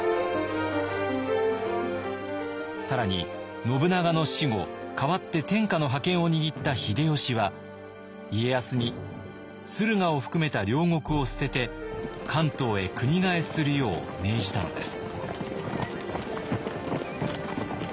更に信長の死後代わって天下の覇権を握った秀吉は家康に駿河を含めた領国を捨てて関東へ国替えするよう命じたのです。